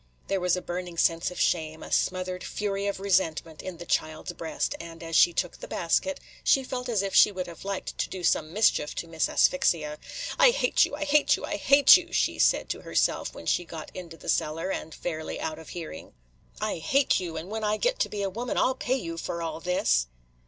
There was a burning sense of shame – a smothered fury of resentment – in the child's breast, and, as she took the basket, she felt as if she would have liked to do some mischief to Miss Asphyxia. "I hate you, I hate you, I hate you," she said to herself when she got into the cellar, and fairly out of hearing. "I hate you, and when I get to be a woman, I 'll pay you for all this."